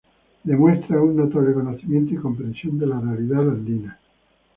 Demuestra un notable conocimiento y comprensión de la realidad andina.